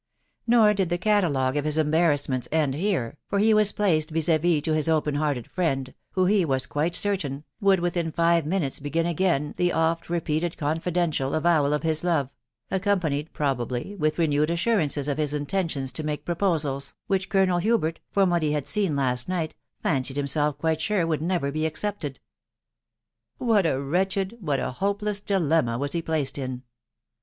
Nor did the catalogue «£ his embarrassments end here, for he was placed «•#£«•* to his open hearted friend, who, he was quite certain, would within five minuses begin again the oft repeated confidential avowal of his love ; accompanied, pro bably, with renewed assurances of his intention* to make pro posals, which Colonel Hubert, from what he had seen last night, fancied himself quite sure would newer be accepted. What a wretched, what a hopeless dilemma .was he placed in